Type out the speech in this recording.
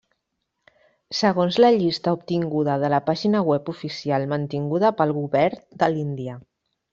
Segons la llista obtinguda de la pàgina web oficial mantinguda pel govern de l'Índia.